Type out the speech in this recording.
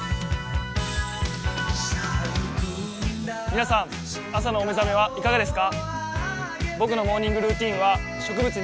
皆さん、朝のお目覚めはいかがですか？